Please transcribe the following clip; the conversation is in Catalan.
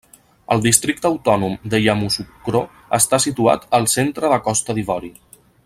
El Districte Autònom de Yamoussoukro està situat al centre de Costa d'Ivori.